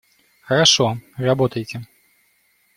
Хорошо, работайте!